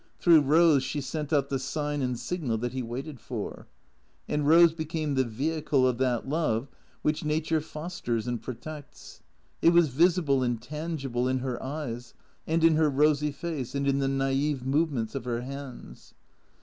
Through Eose she sent out the sign and signal that he waited for. And Eose became the vehicle of that love which Nature fosters and protects ; it was visible and tangible, in her eyes, and in her rosy face and in the naif movements of her hands.